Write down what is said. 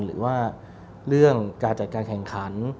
หรือว่าเรื่องการจัดการแข่งขัน